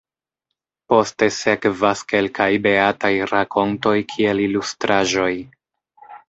Poste sekvas kelkaj beataj rakontoj kiel ilustraĵoj.